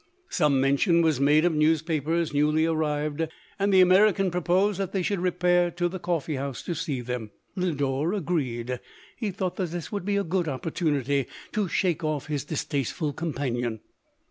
Some mention was made of newspapers newly arrived, and the American proposed that they should repair to the coffee house to see them. Lodore agreed : he thought that this would be a good opportunity to shake off his distasteful companion.